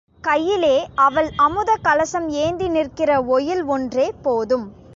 கையிலே அவள் அமுத கலசம் ஏந்தி நிற்கிற ஒயில் ஒன்றே போதும்.